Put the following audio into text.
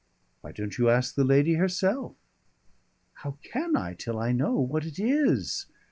"Why don't you ask the lady herself?" "How can I, till I know what it is?